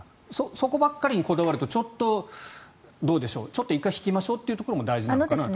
そこばかりにこだわるとちょっとどうでしょうちょっと１回引きましょうというところも大事かなと。